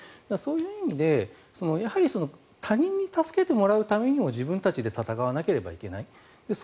そういう意味で他人に助けてもらうためにも自分たちで戦わなければいけない。